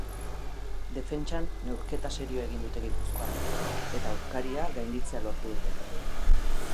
Defentsan neurketa serioa egin dute gipuzkoarrek, eta aurkaria gainditzea lortu dute.